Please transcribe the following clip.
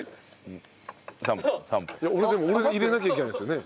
俺でも俺入れなきゃいけないですよね。